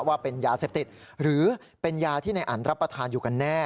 ว่าเป็นยาเสพติดหรือเป็นยาที่ในอันรับประทานอยู่กันแน่